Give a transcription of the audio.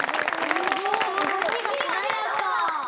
すごい！